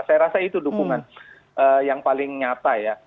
saya rasa itu dukungan yang paling nyata ya